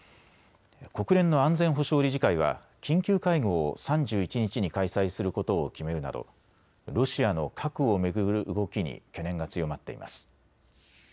国連の安全保障理事会は緊急会合を３１日に開催することを決めるなどロシアの核を巡る動きに懸念が強まっています。